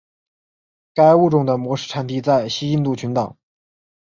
该物种的模式产地在西印度群岛。